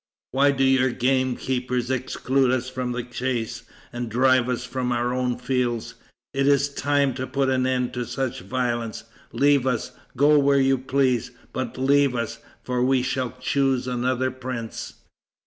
Why do your game keepers exclude us from the chase, and drive us from our own fields? It is time to put an end to such violence. Leave us. Go where you please, but leave us, for we shall choose another prince."